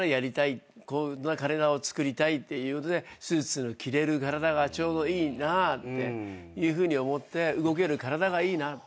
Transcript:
こんな体をつくりたいっていうことでスーツの着れる体がちょうどいいなっていうふうに思って動ける体がいいなって。